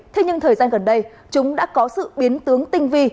thế nhưng thời gian gần đây chúng đã có sự biến tướng tinh vi